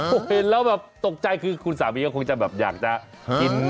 โอ้โฮแล้วตกใจคือคุณสามีก็คงจะอยากจะกิน